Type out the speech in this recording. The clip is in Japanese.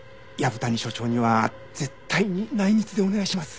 藪谷所長には絶対に内密でお願いします。